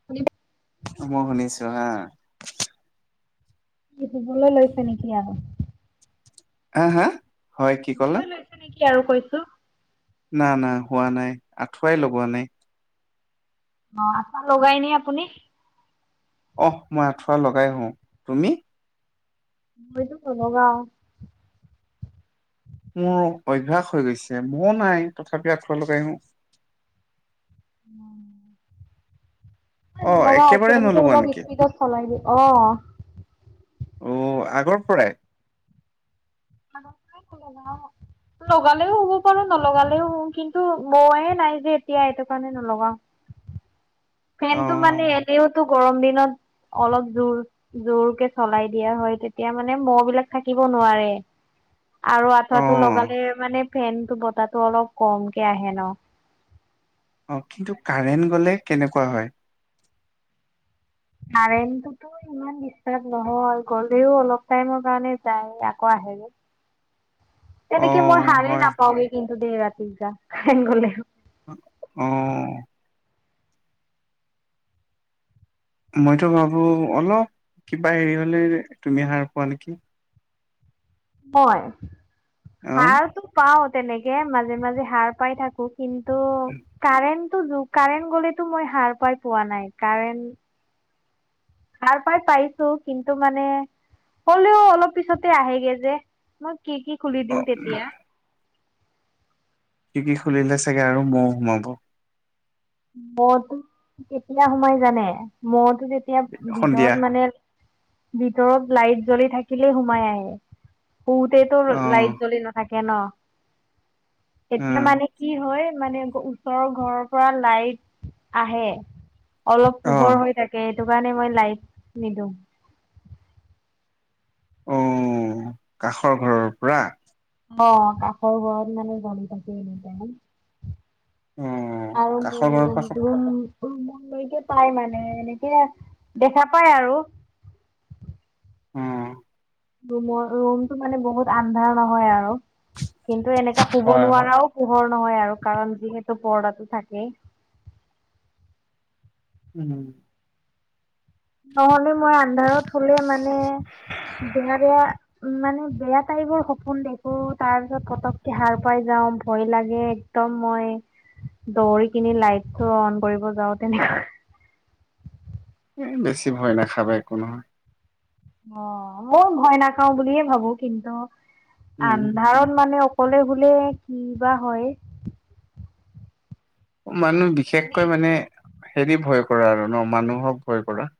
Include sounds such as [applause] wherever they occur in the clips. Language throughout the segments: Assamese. [unintelligible] অ মই শুনিছো, হা। জুখিবলে লৈছে নেকি আও? আ হা? হয় কি ক'লে শুবলৈ লৈছে নেকি আৰু কৈছো। না, না শুৱা নাই। আঠুৱাই লগোৱা নাই। অ আঠুৱা লগাই নে আপুনি? অহ মই আঁঠুৱা লগাই শোও, তুমি? মইতো নলগাওঁ। মোৰ অভ্যাস হৈ গৈছে। মুহ নাই তথাপিও আঠুৱা লগাই শুও। উম। মই অ নলগাওঁ একেবাৰে ফেনটো নলগোৱা অলপ নেকি স্পীডত চলাই দিও, অ। অ আগৰ পৰাই? আগৰ পৰাই নলগাও। [inaudible] লগালেও শুব পাৰোঁ নলগালেও শুও। কিন্তু মহে নাই যে এতিয়া এইটো কাৰণে নলগাওঁ। অ ফেনটো মানে এনেওটো গৰম দিনত অলপ জোৰ জোৰকে চলাই দিয়া হয় তেতিয়া মানে মহ বিলাক থাকিব নোৱাৰে। আৰু অ আঠুৱাটো লগালে মানে ফেনটো বতাহটো অলপ কমকে আহে ন অ কিন্তু কাৰেণ্ট গ'লে কেনেকুৱা হয়? কাৰেন্ট টোতো ইমান দিচতাপ নহয় গ'লেও অলপ টাইমৰ কাৰণে যায় আকৌ আহে যে। অ তেনেকে মই হাৰেই হয় নাপাওগে কিন্তু দে ৰাতি যা কাৰেণ্ট গ'লে। অ মইতো ভাবোঁ অলপ কিবা হেৰি হ'লে তুমি সাৰ পোৱা নেকি? মই, অ সাৰটো পাওঁ তেনেকে মাজে মাজে সাৰ পাই থাকোঁ। কিন্তু কাৰেণ্টটো কাৰেণ্ট গ'লেতো মই হাৰ পাই পোৱা নাই কাৰেণ্ট। সাৰ পাই পাইছোঁ কিন্তু মানে হ'লেও অলপ পিছতে আহেগে যে মই। খিৰকি খুলি অ দিওঁ তেতিয়া। খিৰকি খুলিলে চাগে আৰু মহ সোমাব মহতো কেতিয়া সোমাই জানে মহ তো যেতিয়া সন্ধিয়া ভিতৰত মানে ভিতৰত লাইট জ্বলি থাকিলেই সোমাই আহে শোওতেতো অ লাইট জ্বলি নাথা থাকে ন এতিয়া উম মানে কি হয় মানে ওচৰৰ ঘৰৰ পৰা। লাইট আহে অলপ পোহৰ অহ হৈ থাকে। সেইটো কাৰণে মই লাইট নিদিওঁ। অ কাষৰ ঘৰৰ পৰা। অ কাষৰ ঘৰত মানে জ্বলি থাকে এনিটাইম অ আৰু কাষৰ মোৰ ঘৰৰ পৰা ৰুমটো উ মোৰলৈকে পাই মানে এনেকে দেখা পাই আৰু। উম ৰুমৰ ৰুমতটো মানে বহুত আন্ধাৰ নহয় আৰু কিন্তু এনেকাে শুব হয় হয় নোৱাৰাও পোহৰ নহয় আৰু কাৰণ যিহেতু পৰ্দাটো থাকে। উহু নহলে মই, আন্ধাৰত শুলে মানে বেয়া বেয়া। উম মানে, বেয়া টাইপৰ সপোন দেখোঁ, তাৰ পিছত পতককে সাৰ পাই যাওঁ ভয় লাগে। একদম মই দৌৰি কিনি লাইটটো অন কৰিব যাওঁ তেনে। এই বেছি ভয় নাখাবা একো নহয়। অ ময় ভয় নাখাওঁ বুলিয়ে ভাবোঁ কিন্তু উম আন্ধাৰত মানে। হলে বুলিয়ে কি বা হয়। মানুহ নে বিশেষকৈ মানে হেৰি ভয় কৰা আৰু ন মানুহক ভয় কৰা?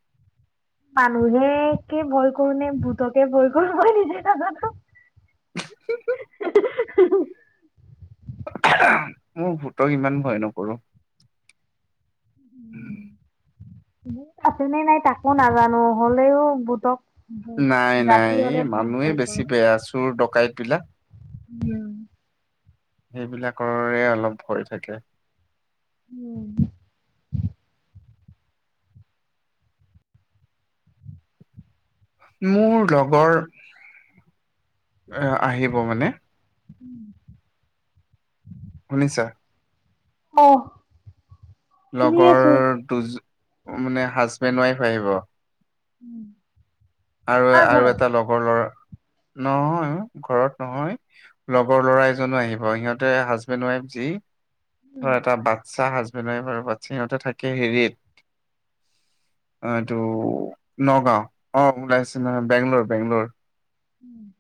মানুহেকে ভয় কৰো নে ভূতকে ভয় কৰোঁ মই নিজে নাজানোঁ [unintelligible] মোৰ ভূতক ইমান ভ'য় নকৰো। ভূত আছেনে নাই তাকো নাজানো। হলেও ভুতক নাই, নাই ই মানুহে কৰো বেছি বেয়া। চোৰ ডকাইত বিলাক উম। সেইবিলাকৰে অলপ ভয় থাকে। উম। মোৰ লগৰ এ আহিব মানে। উম শুনিছা? অহ। লগৰ দু মানে, হাজবেণ্ড - ৱাইফ আহিব। উম। আৰু তোমাৰ আৰু ঘৰত? এটা লগৰ ল'ৰা নহয় ঘৰত নহয়। লগৰ ল'ৰা এজনো আহিব। সিহঁতে হাজবেণ্ড -ৱাইফ যি ধৰ এটা বাচ্ছা হাজ্‌ নৈ পাৰৰ পাত সিহঁতে থাকে হেৰিত অ, এইটো নগাঁও অ, ওলাইছে নহয় বেংগলৰ- বেংগলৰ। উম,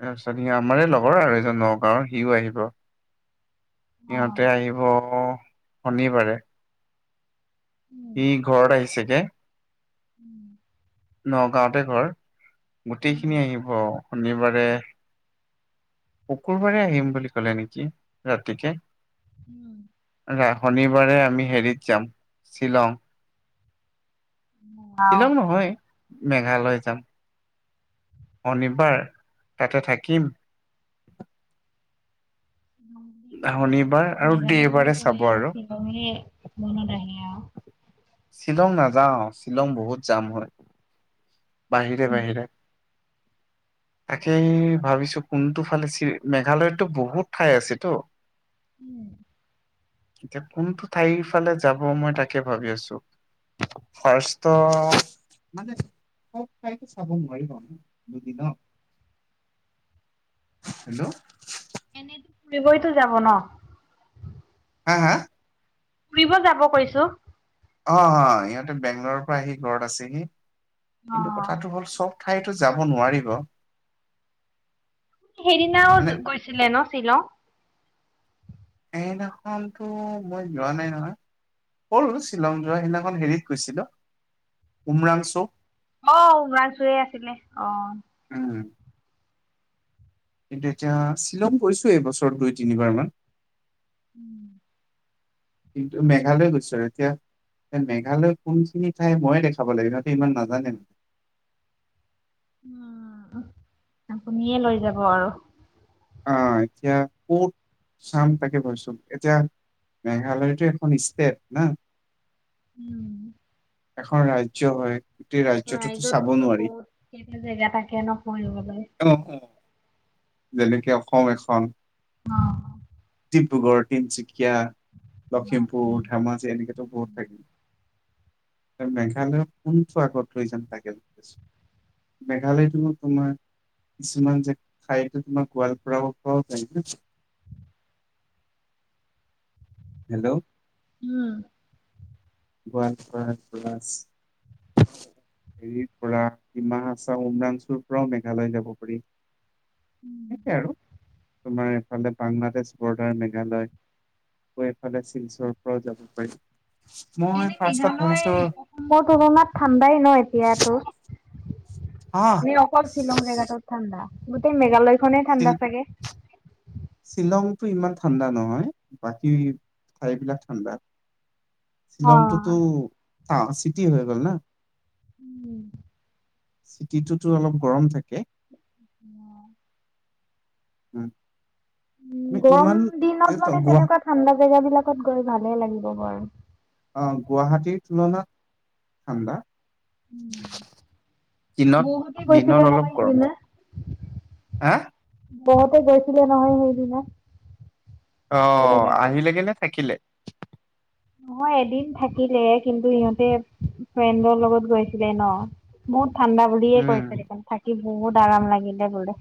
অ, একচুলী সি আমাৰে লগৰ আৰু এজন নগাঁৱৰ সিও আহিব। ইহঁতে আহিব শনিবাৰে। ই ঘৰত আহিছে যে উম, নগাঁওতে ঘৰ গোটেইখিনি আহিব শনিবাৰে। শুকুৰবাৰে আহিম বুলি ক'লে নেকি ৰাতিকে? উম, অ, ৰাহ শনিবাৰে আমি হেৰিত যাম শ্বিলং। আও। শ্বিলং নহয়, মেঘালয় যাম। শনিবাৰ তাতে থাকিম বুলি ধা ক'লে শনিবাৰ আৰু মেঘালয় বুলি দেওবাৰে ক'লে চাব আৰু। [unintelligible] মনত আহে আও। শ্বিলং নাযাওঁ শ্বিলং বহুত জাম হয়। বাহিৰে- উম, বাহিৰে তাকেই ভাৱিছো কোনটো ফালে চি মেঘালয়তটো বহুত ঠাই আছে তো উম, এতিয়া কোনটো ঠাইৰ ফালে যাব মই তাকে ভাৱি আছোঁ। ৰ্ফাষ্টত মানে চব ঠাইটো চাব নোৱাৰিব ন'দুদিন হেল্ল', এনেটো ফুৰিবইটো যাব ন? হা-হা? ফুৰিব যাব কৈছো। অ', অ', ইহঁতে বেংগলৰ পৰা আহি ঘৰত আছেহি কিন্তু অ', কথাটো হ'ল চব ঠায়েতো যাব নোৱাৰিব সে -সেইদিনাও মানে গৈছিলে ন' শ্বিলং? সেইনাখনটো মই যোৱা নাই নহয়। [unintelligible] শ্বিলং যোৱা সেইদিনাখন হেৰিত গৈছিলোঁ উমৰাংচো। অ, উমৰাংছুৱে আছিলে অ। উম, কিন্তু এতিয়া শ্বিলং গৈছোঁ এইবছৰ দুই, তিনিবাৰমান। উম, কিন্তু মেঘালয় গৈছো আৰু এতিয়া তে মেঘালয়ৰ কোনখিনি ঠাই ময়ে দেখাব লাগিব সিহঁতে ইমান নাজানে [unintelligible] আপুনিয়ে লৈ যাব আৰু। আহ, এতিয়া ক'ত চাম তাকে ভাবিছোঁ এতিয়া মেঘালয়টো এখন ষ্টেট না? উম, এখন ৰাজ্য হয়। গোটেই ৰাজ্যটোতো চাব ৰাজ্যততো নোৱাৰি বহুত খিনি জেগা থাকে ন' পঢ়িবলৈ? [unintelligible] যেনেকে অসম এখন অহ', ডিব্ৰুগড়, তিনচুকীয়া, লখিমপুৰ, গুৱাহাটী। ধেমাজি এনেকেতো বহুত থাকে। তে মেঘালয়ৰ কোনটো আগত লৈ যাম তাকে [unintelligible] ছোঁ মেঘালয়তো তোমাৰ কিছুমান যে ঠাইতো তোমাৰ গোৱালপৰাও -পৰাও [unintelligible] হেল্ল', উম ওৱান প্লাছ, প্লছ হেৰিৰ পৰা ডিমাহাছাও উমৰানচুৰ পৰাও মেঘালয় যাব পাৰি। সেইেই আৰু তোমাৰ এইফালে বাংলাদেশ, বৰ্ডাৰ, মেঘালয় আকৌ এইফালে শিলচৰ পৰাও যাব পাৰিম। এনেই মেঘালয় মোৰ তুলনাত ঠাণ্ডাই ন এতিয়াতো, হা আমি অকল শ্বিলং জেগাটোত ঠাণ্ডা, গোটেই মেঘালয় খনে ঠাণ্ডা চাগে? শ্বিলংতটো ইমান ঠাণ্ডা নহয়, বাকী ঠাইবিলাক ঠাণ্ডা। অ', শ্বিলংটোতো চিটি হৈ গল ন। উম। চিটিটোতো অলপ গৰম থাকে। অঁ। উম, উ মানে গৰম ইমান যে দিনত ত- মানে গুৱা তেনেকুৱা ঠাণ্ডা জেগা বিলাকত গৈ ভালে লাগিব বাৰু। অ গুৱাহাটীৰ তুলনাত ঠাণ্ডা। দিনত বহুতে গৈছিলে দিনত অলপ নহয় গৰম জে সেইদিনা হাঁ বহুতে গৈছিলে নহয় সেইদিনা অ এদিনাখন। আহিলে গে নে থাকিলে? নহয় এদিন থাকিলে, কিন্তু সিহঁতে ফ্ৰেণ্ডৰ লগত গৈছিলে ন? বহুত ঠাণ্ডা বুলিয়ে উম কৈছে দেখোন। থাকি বহুত আৰাম লাগিলে বোলে।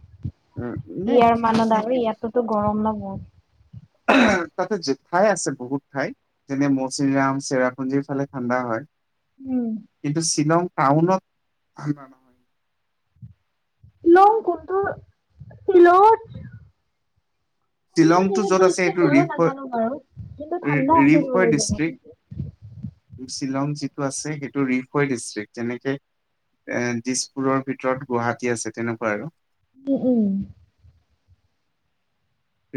উম নে ইয়াৰ মানত আৰু মানে ইয়াতোতো গৰম ন বহুত। তাতে যেত'ঠাই আছে বহুত ঠাইত যেনে মৌচিৰাম, চেৰাপুঞ্জিৰ ফালে ঠাণ্ডা হয়। উম। কিন্তু শ্বিলং টাউনত ঠাণ্ডা নহয়। লং কোনটো চিলংত কোনটো শ্বিলংটো জেগাত য'ত আছে গৈছিলে এইটো মইও ৰিফয় নাজানো বাৰু, কিন্তু ঠাণ্ডা আছিল ৰিফয় বোলে জেগাটো। ডিষ্ট্ৰিক্ট শ্বিলং যিটো আছে, সেইটো ৰিফৈ ডিষ্ট্ৰিক্ট। যেনেকে এ দিছপুৰৰ ভিতৰত গুৱাহাটী আছে, তেনেকুৱা আৰু। উম উম।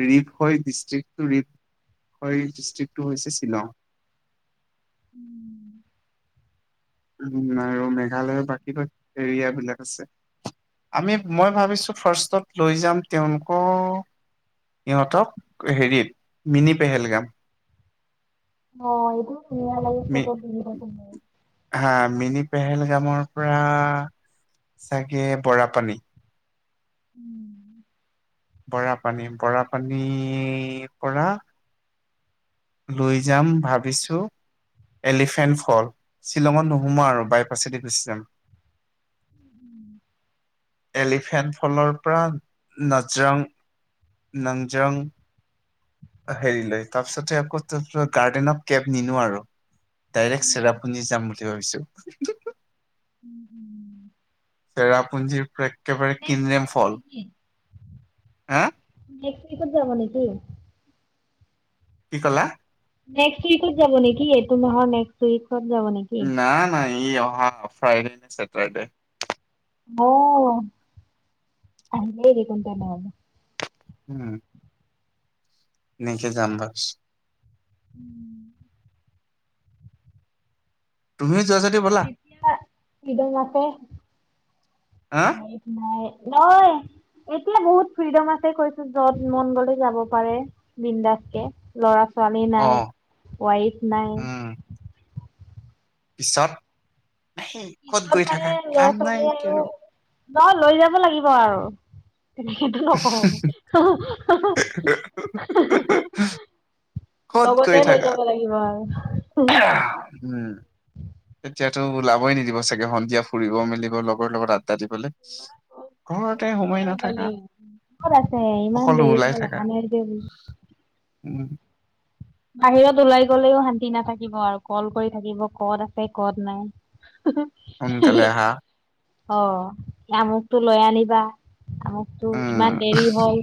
ৰিপ হয় ডিষ্ট্ৰিক্টো ৰিপ হয়, ডিষ্ট্ৰিক্টটো হৈছে শ্বিলং। উম উম আৰু মেঘালয়ৰ বাকী এৰিয়া বিলাক আছে। আমি মই ভাবিছো ফাৰ্ষ্টত লৈ যাম তেওঁলোকক সিহঁতক, হেৰিত মিনি পেহেলগাম। অ এইটো ধুনীয়া লাগে, মি ফটোত ধুনীয়া [unintelligible] হা মিনি পেহেল গামৰ পৰা, চাগে বৰাপানী। উম বৰাপানী, বৰাপানীৰ পৰা, লৈ যাম ভাবিছো? এলিফেণ্ট ফল, শ্বিলঙত নোসোমোৱা আৰু বাইপাছেদি গুচি যাম। এলিফেণ্ট ফলৰ পৰা নাজৰাং নংজং, হেৰি লয়, তাৰ পিছতে আকৌ তা গাৰ্ডেনত কেব নিনো আৰু। ডাইৰেক্ট চেৰাপুঞ্জি যাম বুলি ভাবিছো। উম হুম। চেৰাপুঞ্জীৰ পৰা একেবাৰে কিনৰেম ফল। হা? নেক্স উইকত যাব নেকি? কি কলা? নেক্সট উইকত যাব নেকি? এইটো মাহৰ, নেক্সট উইকত যাব নেকি? নাই, নাই। ই অহা, ফ্ৰাইডে নে চেটাৰডে। অ'! আহিলেই দেখোন, তেনেহ'লে। উম! এনেকে, যাম ভাবিছোঁ! উম! তুমি যোৱা যদি ব'লা এতিয়া, [unintelligible] হা নাই, নহয়। এতিয়া, বহুত ফ্ৰীডম আছে, কৈছোঁ! য'ত, মন গ'লে যাব পাৰে, বিন্দাছ কে। ল'ৰা- ছোৱালী অ নাই, ৱাইফ নাই। উম পিছত? নাই ক'ত পিছত গৈ মানে, থাকা লৰা- কাম নাই ছোৱালী নেকি আৰু নহয়, লৈ যাব লাগিব আৰু। সেইটো নকওঁ। [unintelligible] ক'ত লগতে, গৈ লৈ থাকা যাব লাগিব আৰু। [unintelligible] উম! এতিয়াতো, ওলাবই নিদিব চাগে, সন্ধিয়া ফুৰিব মেলিব, লগৰ লগত আড্ডা দিবলে। ঘৰতে সোমাই আৰু নাথাকা। গ'লেও ক'ত আছে? ইমান সকলো দেৰি ওলাই হ'ল, থাকা অহা নাই যে? বো উম! বাহিৰত ওলাই গ'লেও, শান্তি নাথাকিব আৰু ক'ল কৰি থাকিব। ক'ত আছে, ক'ত নাই। সোনকালে [unintelligible] আহা অ'! আমুকটো লৈ আনিবা? আমোকতো, উম ইমান দেৰি হ'ল?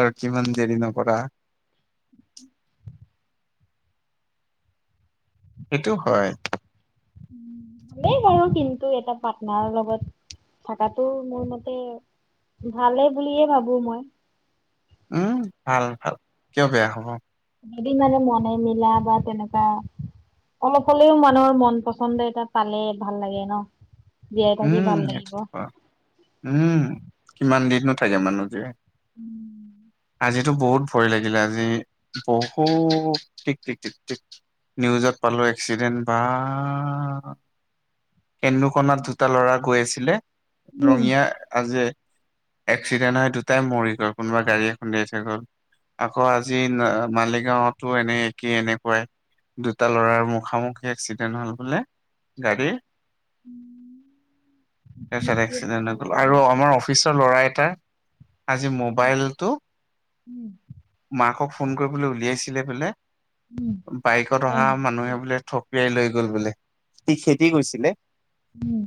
আৰু কিমান দেৰি নকৰা? সেইটো, হয়। উম! ভালেই বাৰু কিন্তু, এটা পাৰ্টনাৰৰ লগত থকাটো, মোৰ মতে ভালে বুলিয়ে ভাবোঁ মই। উম, ভাল-ভাল! কিয় বেয়া হ'ব? যদি মানে, মনে মিলা বা তেনেকুৱা অলপ হ'লেও, মানুহৰ মন পচন্দ এটা পালে, ভাল লাগে ন'! জীয়াই থাকি উম ভাল সেইটো লাগিব। উম! কিমান দিননো থাকে, মানুহ জীয়াই। উম! আজিতো বহুত ভয় লাগিলে! আজি, বহুত টিক- টিক, টিক- টিক। নিউজত পালোঁ, এক্সিডেণ্ট। বা! [unintelligible] দুটা ল'ৰা গৈ আছিলে। উম ৰঙিয়া, আজি এক্সিডেণ্ট হয়, দুটাই মৰি গ'ল। কোনোবা, গাড়ী খুন্দিয়াই গ'ল। আকৌ, আজি মালিগাঁৱতো, এনে একেই, এনেকুৱাই। দুটা ল'ৰাৰ, মুখামুখি এক্সিডেণ্ট হ'ল বোলে, গাড়ীৰ। উম! এফালে এক্সিডেণ্ট হৈ গ'ল। আৰু আমাৰ, অফিচৰ ল'ৰা এটা আজি মোবাইলটো মাকক ফোন কৰিবলৈ উলিয়াইছিলে, বোলে। উম বাইকত হয় অহা হয় মানুহে বোলে থ থপিয়াই লৈ গ'ল বোলে। সি খেদি গৈছিলে? উম!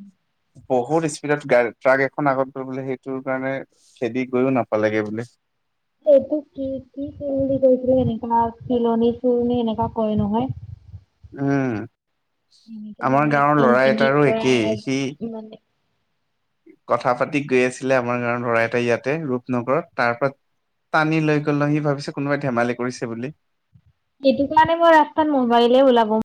বহুত স্পীডত, গা ট্ৰাক এখন আগত গৈ বোলে, সেইটো কাৰণে, খেদি গৈয়ও নাপালেগে বোলে। এইটো, কি কি বুলি কৈছিলে? [unintelligible] এনেকা কয়, নহয়। উম, এনেকে আমাৰ মানে গাঁৱৰ একদম ল'ৰা ডিঙিৰ এটাৰো পৰা একেই। সি মানে? কথা পাতি গৈ আছিলে আমাৰ গাঁৱৰ ল'ৰা এটা ইয়াতে ৰূপনগৰত তাৰ পৰা টান লৈ গ'ল নহয়, সি ভাবিছে কোনোবাই ধেমালি কৰিছে বুলি সেইটো কাৰণে মই ৰাস্তাত মবাইলে ওলাব